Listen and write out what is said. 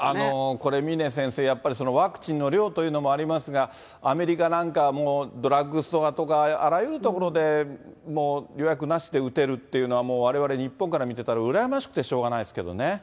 これ、峰先生、やっぱりワクチンの量というのもありますが、アメリカなんかはもう、ドラッグストアとかあらゆる所で、もう予約なしで打てるっていうのは、われわれ日本から見てたら羨ましくてしょうがないですけどね。